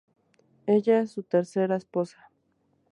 Ella es su tercera esposa.